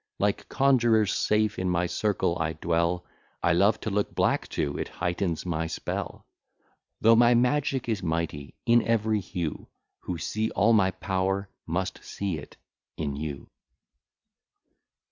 Like conjurers safe in my circle I dwell; I love to look black too, it heightens my spell; Though my magic is mighty in every hue, Who see all my power must see it in you.